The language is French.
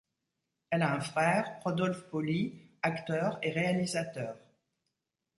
Elle a un frère, Rodolphe Pauly, acteur et réalisateur.